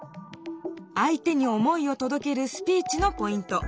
相手に思いを届けるスピーチのポイント。